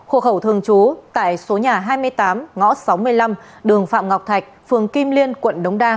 hộ khẩu thường trú tại số nhà hai mươi tám ngõ sáu mươi năm đường phạm ngọc thạch phường kim liên quận đống đa